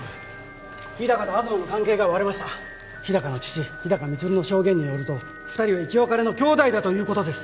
日高と東の関係が割れました日高の父日高満の証言によると二人は生き別れの兄弟だということです